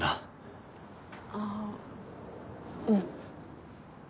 ああうん。